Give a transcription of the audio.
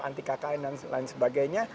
anti kkn dan lain sebagainya